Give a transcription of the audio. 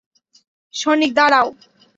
Sonic, দাঁড়াও!